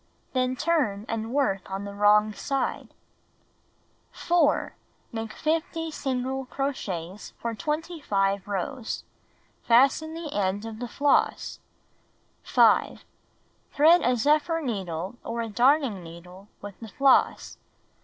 Then turn, and work on the wrong side. 4. Make 50 single crochets for 25 rows. Fasten the end of the floss. 5. Thread a zephyr needle or a darning needle with the floss.